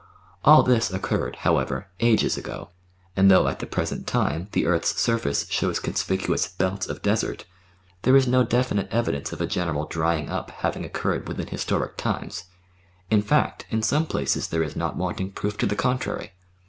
All this occurred, however, ages ago, and though at the present time the earth's surface shows conspicuous belts of desert, there is no definite evidence of a general drying up having occurred within historic times ; in fact, in some places there is not wanting proof to the contrary.